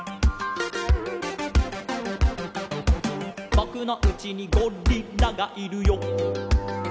「ぼくのうちにゴリラがいるよ」